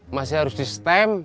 masih harus di stem